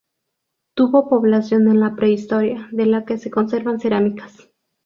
Tuvo población en la prehistoria, de la que se conservan cerámicas.